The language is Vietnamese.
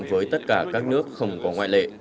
với tất cả các nước không có ngoại lệ